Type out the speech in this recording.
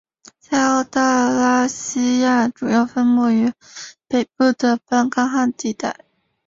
在澳大拉西亚主要分布于北部的半干旱地带。